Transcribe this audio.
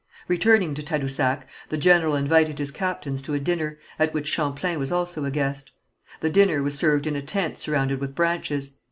Returning to Tadousac, the general invited his captains to a dinner, at which Champlain was also a guest. The dinner was served in a tent surrounded with branches.